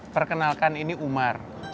perkenalkan ini umar calon pemilik bukit bintang